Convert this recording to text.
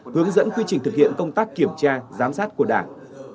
hướng dẫn quy trình thực hiện công tác kiểm tra giám sát của đảng